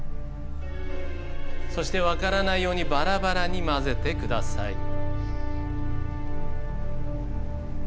そして分からないようにばらばらに交ぜてください。